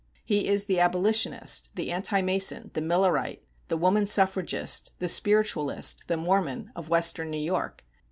He is the Abolitionist, the Anti mason, the Millerite, the Woman Suffragist, the Spiritualist, the Mormon, of Western New York.